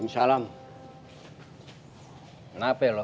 assalamualaikum warahmatullahi wabarakatuh